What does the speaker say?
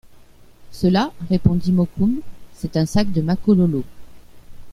Cela, répondit Mokoum, c’est un sac de Makololo.